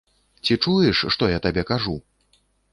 Ці чуеш, што я табе кажу?